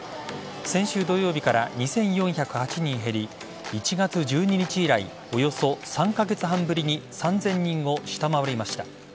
先週土曜日から２４０８人減り１月１２日以来およそ３カ月半ぶりに３０００人を下回りました。